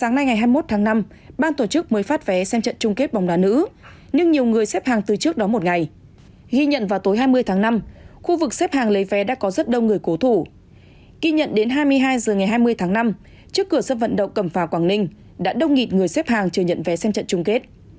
ghi nhận đến hai mươi hai giờ ngày hai mươi tháng năm trước cửa sắp vận động cầm phà quảng ninh đã đông nghịt người xếp hàng chưa nhận vé xem trận chung kết